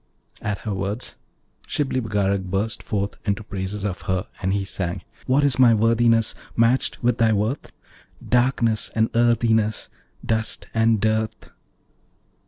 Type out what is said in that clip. At her words Shibli Bagarag burst forth into praises of her, and he sang: 'What is my worthiness Match'd with thy worth? Darkness and earthiness, Dust and dearth!